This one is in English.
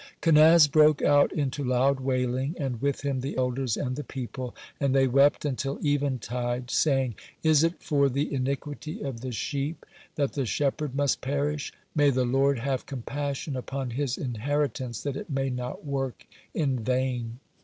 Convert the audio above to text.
Kenaz broke out into loud wailing, and with him the elders and the people, and they wept until eventide, saying: "Is it for the iniquity of the sheep that the shepherd must perish? May the Lord have compassion upon His inheritance that it may not work in vain."